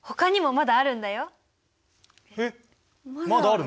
まだあるの？